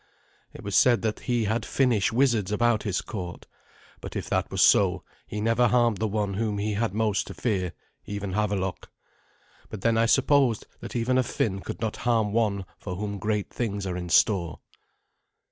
It was said that he had Finnish wizards about his court; but if that was so, he never harmed the one whom he had most to fear even Havelok. But then I suppose that even a Finn could not harm one for whom great things are in store.